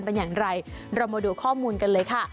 เป็นอย่างไรเรามาดูข้อมูลกันเลยค่ะ